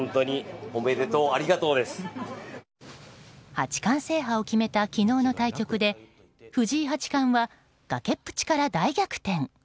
八冠制覇を決めた昨日の対局で藤井八冠は崖っぷちから大逆転。